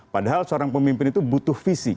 padahal seorang pemimpin itu butuh visi